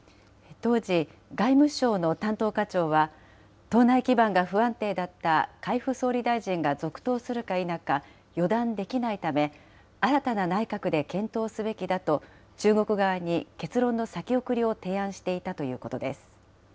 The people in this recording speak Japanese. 当時、外務省の担当課長は、党内基盤が不安定だった海部総理大臣が続投するか否か、予断できないため、新たな内閣で検討すべきだと中国側に結論の先送りを提案していた